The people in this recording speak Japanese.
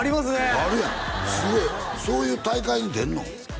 あるやんすごいそういう大会に出んの？